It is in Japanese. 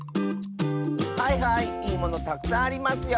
はいはいいいものたくさんありますよ。